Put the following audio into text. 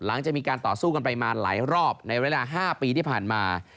หลังจากมีการต่อสู้กันไปมาหลายรอบในเวลา๕ปีที่ผ่านมา